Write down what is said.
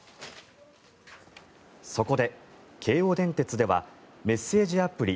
そこで京王電鉄ではメッセージアプリ